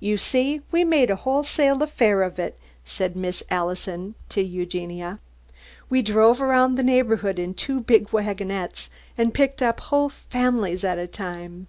"You see we made a wholesale affair of it," said Miss Allison to Eugenia. "We drove around the neighbourhood in two big wagonettes, and picked up whole families at a time."